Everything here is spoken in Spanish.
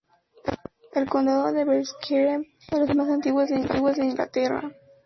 El condado de Berkshire es uno de los más antiguos de Inglaterra.